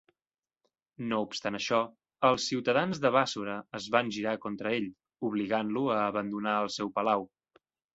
No obstant això, els ciutadans de Bàssora es van girar contra ell, obligant-lo a abandonar el seu palau.